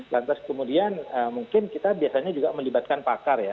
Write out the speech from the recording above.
lantas kemudian mungkin kita biasanya juga melibatkan pakar ya